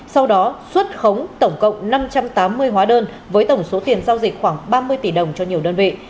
sau đó xuất khống tổng cộng năm trăm tám mươi hóa đơn với tổng số tiền giao dịch khoảng ba mươi tỷ đồng cho nhiều đơn vị